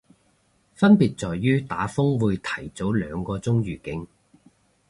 分別在於打風會提早兩個鐘預警